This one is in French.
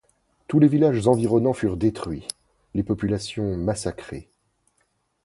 Tous les villages environnants furent détruits, les populations massacrées.